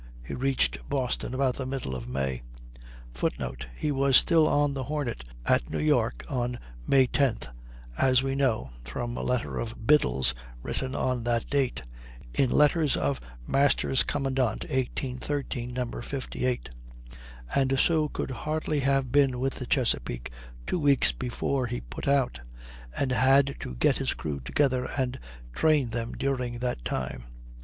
He reached Boston about the middle of May [Footnote: He was still on the Hornet at New York on May 10th, as we know from a letter of Biddle's, written on that date (in letters of "Masters' Commandant," 1813, No. 58), and so could hardly have been with the Chesapeake two weeks before he put out; and had to get his crew together and train them during that time.